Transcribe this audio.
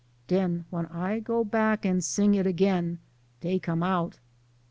27 clar ; den when I go back and sing it again, dey come out.